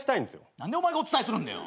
何でお前がお伝えするんだよ。